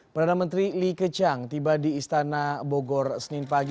perdana menteri li keqiang tiba di istana bogor senin pagi